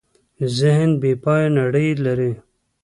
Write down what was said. ذهن بېپایه نړۍ لري.